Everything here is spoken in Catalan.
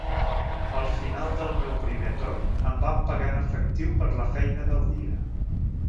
Al final del meu primer torn em van pagar en efectiu per la feina del dia.